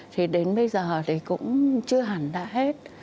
thì đến bây giờ thì cũng chưa hẳn đã hết